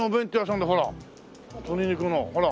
鶏肉のほら。